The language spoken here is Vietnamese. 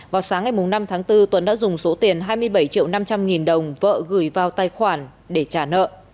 vào sáng ngày năm tháng bốn tuấn đã dùng số tiền hai mươi bảy triệu năm trăm linh nghìn đồng vợ gửi vào tài khoản để trả nợ